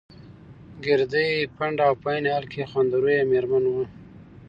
ګردۍ، پنډه او په عین حال کې خنده رویه مېرمن وه.